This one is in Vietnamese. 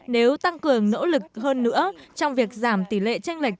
nếu tăng cường nỗ lực hơn nữa trong việc giảm tỷ lệ tranh lệch